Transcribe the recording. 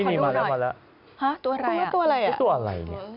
นี่มาแล้วตัวอะไร